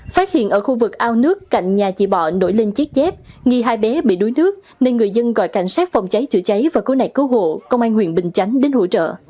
phát hiện ở khu vực ao nước cạnh nhà chị bọ nổi lên chiếc chép nghi hai bé bị đuối nước nên người dân gọi cảnh sát phòng cháy chữa cháy và cứu nạn cứu hộ công an huyện bình chánh đến hỗ trợ